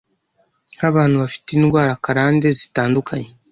nk’abantu bafite indwara karande zitandukanye,